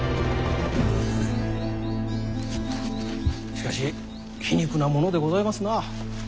しかし皮肉なものでございますな。